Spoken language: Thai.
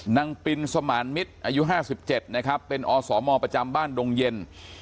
ปินสมานมิตรอายุ๕๗นะครับเป็นอสมประจำบ้านดงเย็น